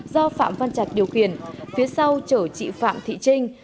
do phạm văn trạch điều khiển phía sau chở chị phạm thị trinh